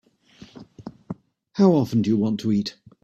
How often do you want to eat?